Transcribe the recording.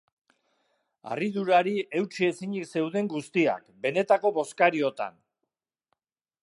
Harridurari eutsi ezinik zeuden guztiak, benetako bozkariotan.